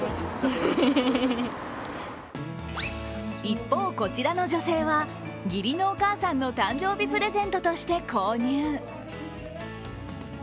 一方、こちらの女性は義理のお母さんの誕生日プレゼントとして購入。